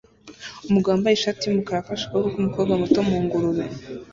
Umugabo wambaye ishati yumukara afashe ukuboko kwumukobwa muto mu ngurube